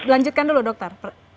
lanjutkan dulu dokter